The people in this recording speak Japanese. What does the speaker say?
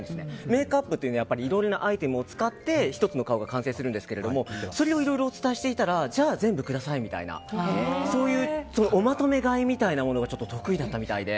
メイクアップっていうのはいろんなアイテムを使って１つの顔が完成するんですけどそれをいろいろお伝えしていたらじゃあ全部くださいみたいなそういうおまとめ買いみたいなのがちょっと得意だったみたいで。